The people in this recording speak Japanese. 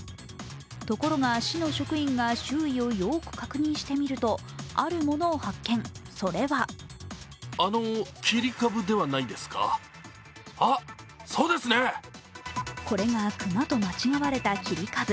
ところが、市の職員が周囲をよく確認してみると、あるもの発見、それはこれが熊と間違われた切り株。